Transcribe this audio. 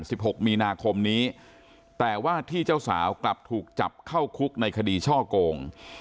หกมีนาคมนี้แต่ว่าที่เจ้าสาวกลับถูกจับเข้าคุกในคดีช่อโกง